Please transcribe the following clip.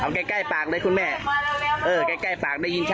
เอาใกล้ใกล้ปากเลยคุณแม่เออใกล้ใกล้ปากได้ยินชัด